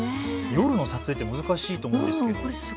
夜の撮影って難しいと思うんですけど。